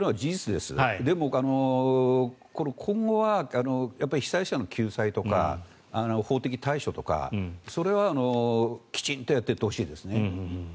でも、今後は被害者の救済とか法的対処とかそれはきちんとやっていってほしいですね。